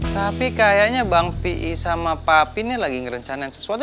tapi kayaknya bang pi sama pak pin ini lagi ngerencanain sesuatu